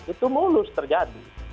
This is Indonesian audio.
itu mulus terjadi